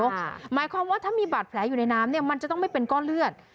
หมายความว่าถ้ามีบาดแผลอยู่ในน้ำเนี่ยมันจะต้องไม่เป็นก้อนเลือด